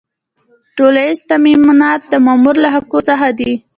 ټولیز تامینات د مامور له حقوقو څخه دي.